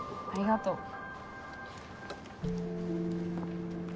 ありがとう。